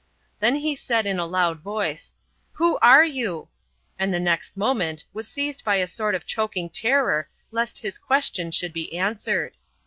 Then he said in a loud voice: "Who are you?" and the next moment was seized by a sort of choking terror lest his question should be answered.